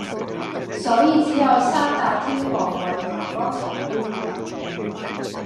所以只有“三大天王”為“哥哥”抬棺。